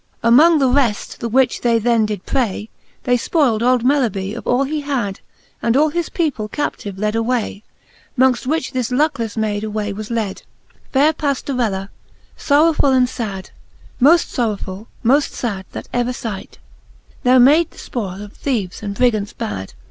Amongft the reft, the which they then did pray, They fpoyld old Melihee of all he had, And all his people captive led away, Mongft which this lucklefle mayd away was led^ Faire Pajiorella, forrowfuU and fad, Moft forrowfull, moft fad, that ever figh't, Now made the fpoile of thceves and Brigants bac^.